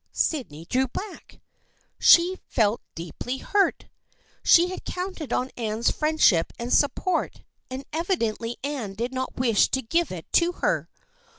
Sydney drew back. She felt deeply hurt. She had counted on Anne's friendship and support and evidently Anne did not wish to give it to her.